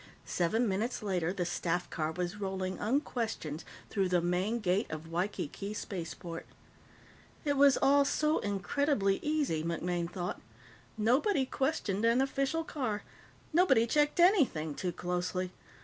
Seven minutes later, the staff car was rolling unquestioned through the main gate of Waikiki Spaceport. It was all so incredibly easy, MacMaine thought. Nobody questioned an official car. Nobody checked anything too closely.